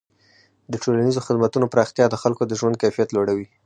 د ټولنیزو خدمتونو پراختیا د خلکو د ژوند کیفیت لوړوي.